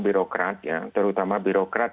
birokrat ya terutama birokrat